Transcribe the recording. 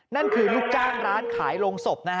นั่นคือลูกจ้างร้านขายโรงศพนะฮะ